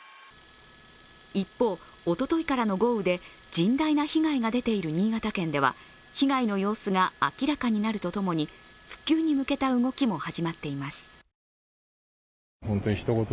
一方、おとといからの豪雨で甚大な被害が出ている新潟県では被害の様子が明らかになるとともに復旧に向けた動きも始まっています。